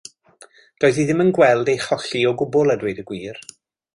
Doedd hi ddim yn gweld ei cholli o gwbl a dweud y gwir.